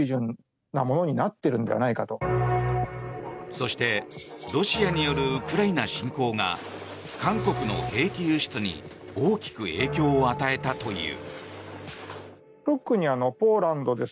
そして、ロシアによるウクライナ侵攻が韓国の兵器輸出に大きく影響を与えたという。